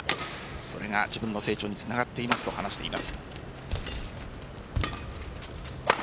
それが自分の成長につながっていますと話しています。